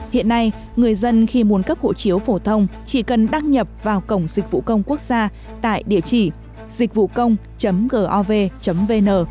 hiện nay người dân khi muốn cấp hộ chiếu phổ thông chỉ cần đăng nhập vào cổng dịch vụ công quốc gia tại địa chỉ dịchvucông gov vn